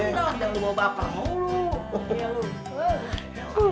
udah lah jangan lo bawa bapak mau lo